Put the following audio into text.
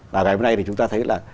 và ngày hôm nay thì chúng ta thấy là